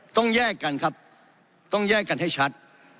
ต้องแยกกันครับต้องแยกกันให้ชัด